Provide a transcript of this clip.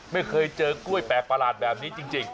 ไม่เคยเจอกล้วยแปลกประหลาดแบบนี้จริง